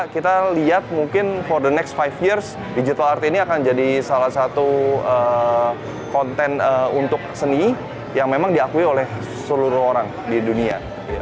kita lihat mungkin for the next five years digital art ini akan jadi salah satu konten untuk seni yang memang diakui oleh seluruh orang di dunia